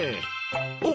おっ！